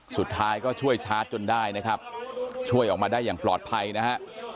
สุดท้ายก็ช่วยชาร์จจนได้นะครับช่วยออกมาได้อย่างปลอดภัยนะฮะ